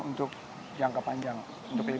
untuk jangka panjang untuk ini